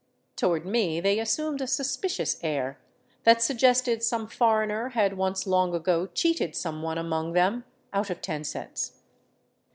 Toward me they assumed a suspicious air that suggested some foreigner had once long ago cheated some one among them put of ten cents.